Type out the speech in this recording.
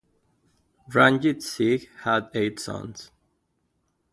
Ranjit Singh had eight sons.